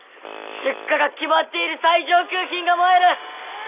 出荷が決まっている最上級品が燃える。